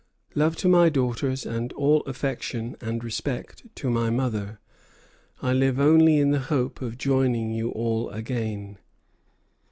Love to my daughters, and all affection and respect to my mother. I live only in the hope of joining you all again.